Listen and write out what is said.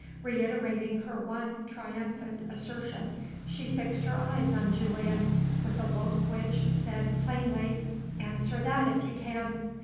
Reiterating her one triumphant assertion, she fixed her eyes on Julian with a look which said plainly: Answer that if you can.